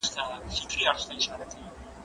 زه به اوږده موده سبا ته فکر کړی وم؟